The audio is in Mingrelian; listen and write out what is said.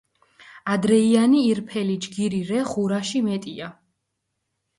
ადრეიანი ირფელი ჯგირი რე ღურაში მეტია.